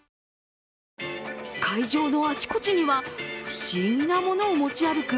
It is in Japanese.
会場のあちこちには不思議なものを持ち歩く